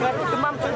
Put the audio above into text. kita dua minggu